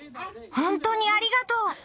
本当にありがとう！